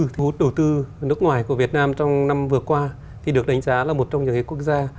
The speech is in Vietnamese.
thu hút đầu tư nước ngoài của việt nam trong năm vừa qua thì được đánh giá là một trong những quốc gia